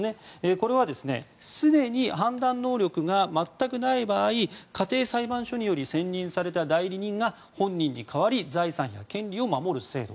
これは、すでに判断能力が全くない場合家庭裁判所により選任された代理人が本人に代わり財産や権利を守る制度。